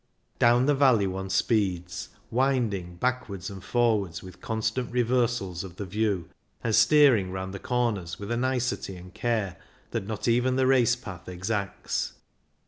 Down the valley one speeds, winding backwards and forwards with constant re versals of the view, and steering round the corners with a nicety and care that not even the race path exacts.